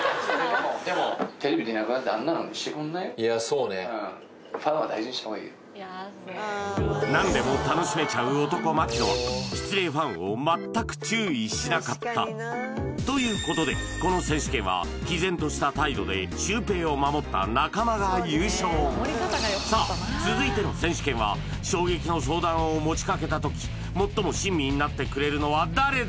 うん何でも楽しめちゃう男槙野は失礼ファンを全く注意しなかったということでこの選手権は毅然とした態度でシュウペイを守った中間が優勝さあ続いての選手権は衝撃の相談を持ちかけた時最も親身になってくれるのは誰だ？